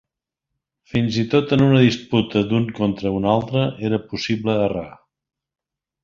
Fins i tot en una disputa d'un contra un altre era possible errar.